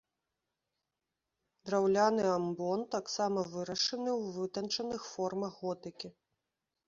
Драўляны амбон таксама вырашаны ў вытанчаных формах готыкі.